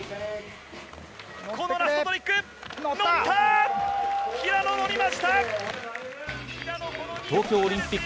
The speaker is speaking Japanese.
平野、ラストトリック！